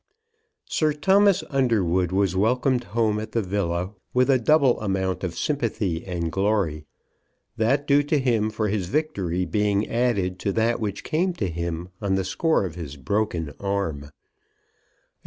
Sir Thomas Underwood was welcomed home at the villa with a double amount of sympathy and glory, that due to him for his victory being added to that which came to him on the score of his broken arm.